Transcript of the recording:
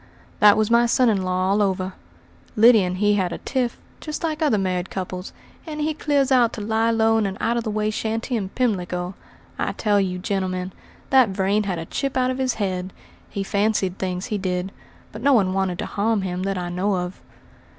"That was my son in law all over. Lyddy and he had a tiff, just like other married couples, and he clears out to lie low in an out of the way shanty in Pimlico. I tell you, gentlemen, that Vrain had a chip out of his head. He fancied things, he did; but no one wanted to harm him that I know of."